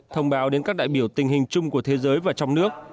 thông báo đến các đại biểu tình hình chung của thế giới và trong nước